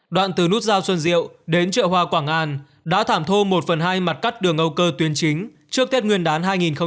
đoạn từ nút giao xuân diệu đến chợ hoa quảng an đã thảm thô một phần hai mặt cắt đường âu cơ tuyến chính trước tết nguyên đán hai nghìn hai mươi